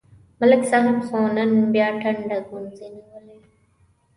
ملک صاحب خو نن بیا ټنډه گونځې نیولې